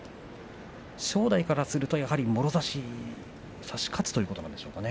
正代からすると、やはりもろ差し差し勝つということでしょうか。